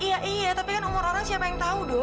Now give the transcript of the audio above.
iya iya tapi kan umur orang siapa yang tahu dong